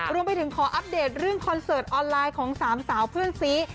รวมไปถึงขออัปเดตเรื่องคอนเสิร์ตออนไลน์ของสามสาวเพื่อนซี